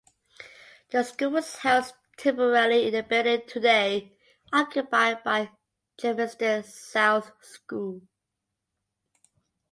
The school was housed temporarily in the building today occupied by Germiston South School.